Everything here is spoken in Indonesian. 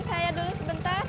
nggak ada yang bisa minta